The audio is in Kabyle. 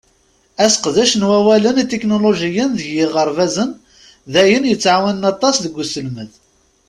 Aseqdec n wallalen itiknulujiyen deg yiɣerbazen d ayen yettƐawanen aṭas deg uselmed.